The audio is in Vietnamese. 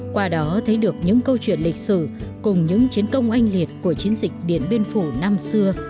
qua đó thấy được những câu chuyện lịch sử cùng những chiến công oanh liệt của chiến dịch điện biên phủ năm xưa